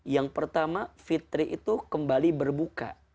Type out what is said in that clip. yang pertama fitri itu kembali berbuka